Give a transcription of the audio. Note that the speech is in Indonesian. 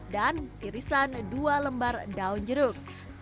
dan tirisan dua lembar daun jeruk